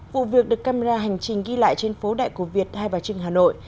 vụ việc được camera hành trình ghi lại trên phố đại cổ việt hai bà trưng hà nội